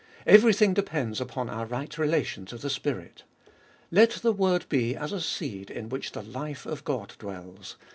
Everything depends upon our right relation to the Spirit. Let the word be as a seed In which the life of God dwells.